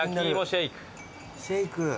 シェイク。